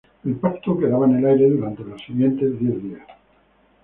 El pacto quedaba en el aire durante los siguientes diez días.